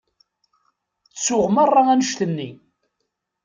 Ttuɣ merra annect-nni.